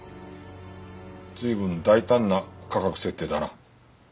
随分大胆な価格設定だな。